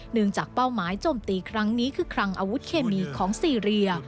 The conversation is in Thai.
จากเป้าหมายจมตีครั้งนี้คือคลังอาวุธเคมีของซีเรีย